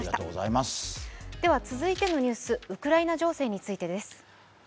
では続いてのニュース、ウクライナ情勢についてです。